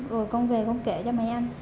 rồi con về con kể cho mấy anh